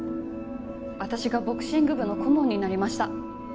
私がボクシング部の顧問になりました。